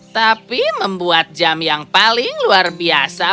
tapi membuat jam yang paling luar biasa